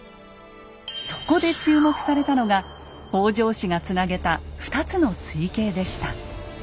そこで注目されたのが北条氏がつなげた２つの水系でした。